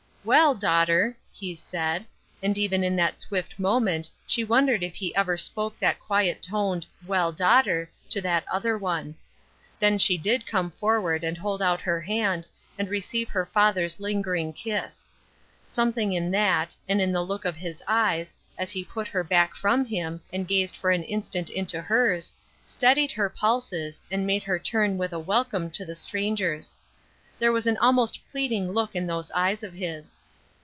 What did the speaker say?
" Well, daughter," he said ; and, even in that Bwift moment, she wondered if he ever spoke that quiet toned, " well, daughter," to that other one. Then she did come forward and hold out her hand, and receive her father's lingering kiss. Something in that, and in the look of his eyes, as he put her back from him, and gazed for an instant into hers, steadied her pulses, and made her turn with a welcome to the strangers. There was an almost pleading look in those eyes of his.